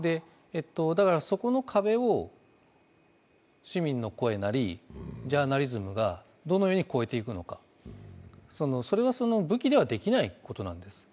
そこの壁を市民の声なり、ジャーナリズムがどのように越えていくのか、それは武器ではできないことなんです。